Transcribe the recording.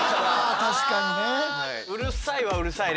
確かにね。